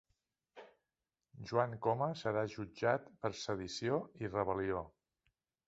Joan Coma serà jutjat per sedició i rebel·lió